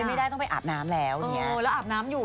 ไม่ได้ต้องไปอาบน้ำแล้วแล้วอาบน้ำอยู่